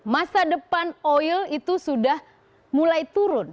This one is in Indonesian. masa depan oil itu sudah mulai turun